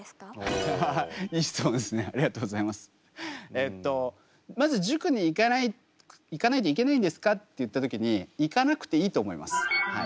えっとまず塾に行かないといけないんですかって言った時に行かなくていいと思いますはい。